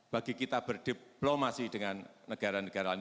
bagi kita berdiplomasi dengan negara negara lain